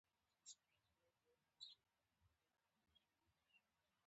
د هند اکثرو قوتونو د هغه اطاعت او درناوی وکړ.